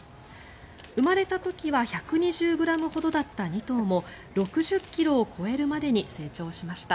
生まれた時は１２０ｇほどだった２頭も６０ｋｇを超えるまでに成長しました。